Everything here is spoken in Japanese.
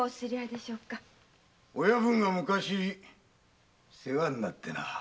親分が昔世話になってな。